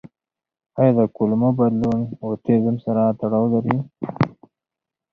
آیا د کولمو بدلون د اوټیزم سره تړاو لري؟